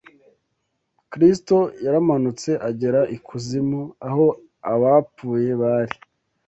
Kristo yaramanutse agera ikuzimu aho abapfuye bari